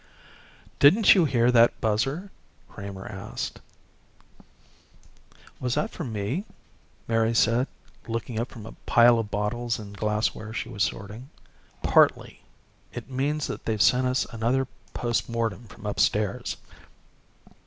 "Didn't you hear that buzzer?" Kramer asked. "Was that for me?" Mary said, looking up from a pile of bottles and glassware she was sorting. "Partly. It means they've sent us another post mortem from upstairs."